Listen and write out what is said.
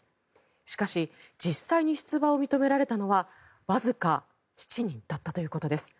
しかし実際に出馬を認められたのはわずか７人だったということです。